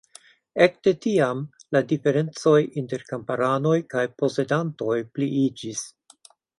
Ekde tiam la diferencoj inter kamparanoj kaj posedantoj pliiĝis.